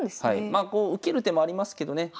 まあこう受ける手もありますけどね